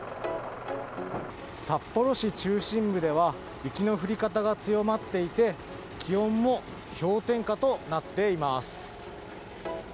札幌市中心部では、雪の降り方が強まっていて、気温も氷点下となっています。